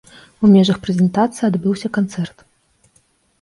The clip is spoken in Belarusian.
У межах прэзентацыі адбыўся канцэрт.